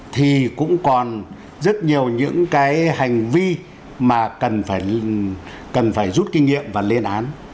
thì cũng còn rất nhiều những cái hành vi mà cần phải rút kinh nghiệm và lên án